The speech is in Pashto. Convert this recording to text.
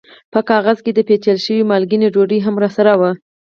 په کاغذ کې د پېچل شوې مالګینې ډوډۍ هم راسره وه.